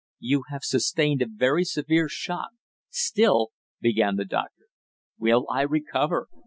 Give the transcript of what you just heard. "You have sustained a very severe shock, still " began the doctor. "Will I recover?"